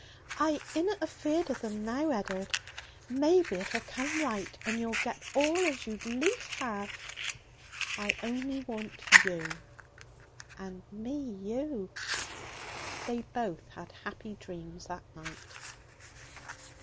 'I inna feared of 'em now, Ed'ard. Maybe it'll come right, and you'll get all as you'd lief have.' 'I only want you.' 'And me you.' They both had happy dreams that night.